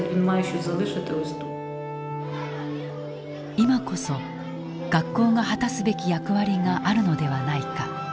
今こそ学校が果たすべき役割があるのではないか。